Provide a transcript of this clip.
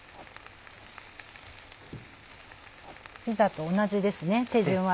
ピザと同じです手順は。